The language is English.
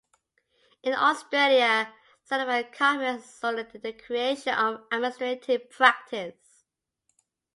In Australia, certified copies are solely the creation of administrative practice.